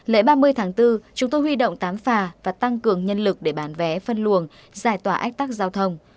lễ ba mươi tháng bốn chúng tôi huy động tám phà và tăng cường nhân lực để bán vé phân luồng giải tỏa ách tắc giao thông